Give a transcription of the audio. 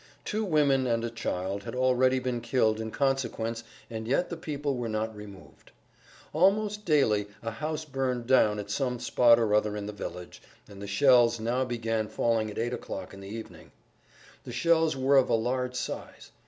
Two women and a child had already been killed in consequence and yet the people were not removed. Almost daily a house burned down at some spot or other in the village, and the shells now began falling at 8 o'clock in the evening. The shells were of a large size.